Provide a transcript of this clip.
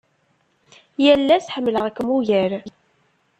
Yal ass ḥemmleɣ-kem ugar.